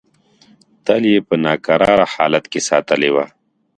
تل یې په ناکراره حالت کې ساتلې وه.